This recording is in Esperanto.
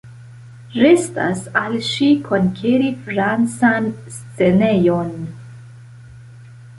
Restas al ŝi konkeri Francan scenejon.